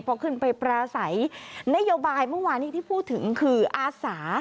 พอขึ้นไปปราศัยนโยบายเมื่อวานนี้ที่พูดถึงคืออาสา